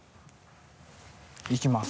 いきます。